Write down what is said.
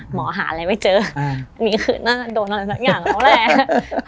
หมอหาแล้วแม่เจอมีขื่นหน้าโดนอาหารแห่งหลังต้ว๓๖๐